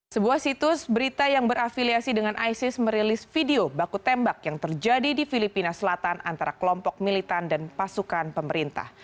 sebuah situs berita yang berafiliasi dengan isis merilis video baku tembak yang terjadi di filipina selatan antara kelompok militan dan pasukan pemerintah